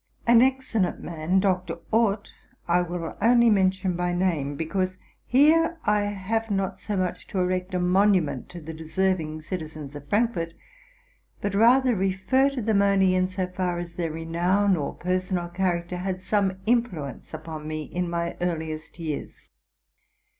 An excellent man, Dr. Orth, I will only mention by name ; because here I have not so much to erect a monument to the deserving citizens of Frankfort, but rather refer to them only in as far as their renown or personal character had some influence upon me in my earliest years.